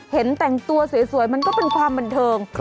เห็นแต่งตัวสวยมันก็เป็นความบันเทิง